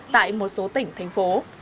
tại một số tỉnh thành phố